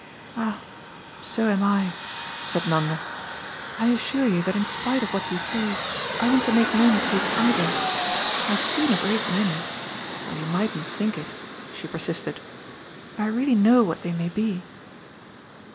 "Ah so am I," said Nanda. "I assure you that in spite of what you say I want to make no mistakes either. I've seen a great many though you mightn't think it," she persisted; "I really know what they may be.